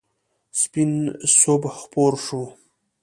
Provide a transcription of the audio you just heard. سپین صبح خپور شو.